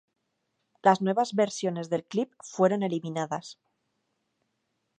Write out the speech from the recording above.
Las últimas versiones del clip fueron eliminadas.